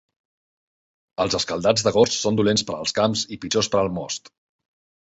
Els escaldats d'agost són dolents per als camps i pitjors per al most.